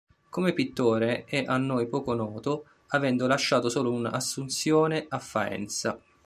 Come pittore è a noi poco noto, avendo lasciato solo un"'Assunzione" a Faenza.